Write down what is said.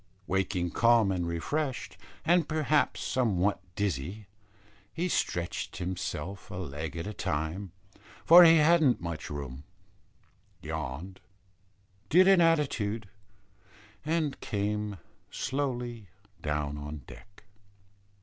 Waking calm and refreshed, and perhaps somewhat dizzy, he stretched himself a leg at a time, for he hadn't much room, yawned, did an attitude, and came slowly down on deck.